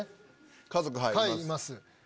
家族はいいます。